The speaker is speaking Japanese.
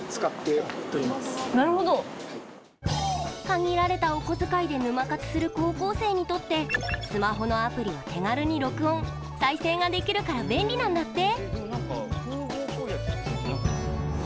限られたお小遣いで沼活する高校生にとってスマホのアプリは手軽に録音・再生ができるから便利なんだって。